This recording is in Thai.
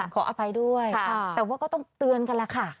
ขออภัยด้วยแต่ว่าก็ต้องเตือนกันแล้วค่ะ